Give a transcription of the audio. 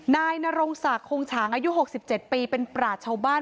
นายนรงศักดิ์คงฉางอายุ๖๗ปีเป็นปราชชาวบ้าน